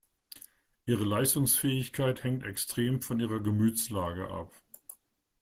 Ihre Leistungsfähigkeit hängt extrem von ihrer Gemütslage ab.